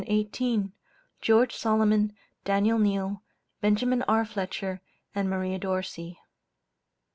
GEORGE SOLOMON, DANIEL NEALL, BENJAMIN R. FLETCHER AND MARIA DORSEY.